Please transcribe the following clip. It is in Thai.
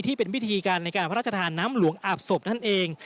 ที่เป็นวิธีการในการพระราชทานน้ำหลวงอาบศพนั่นเอง